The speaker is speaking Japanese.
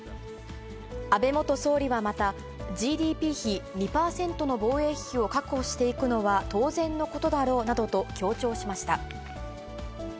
安倍元総理はまた、ＧＤＰ費２％の防衛費を確保していくのは当然のことだろうなどと強調しました。